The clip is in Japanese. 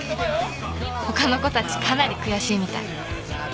ほかの子たちかなり悔しいみたい。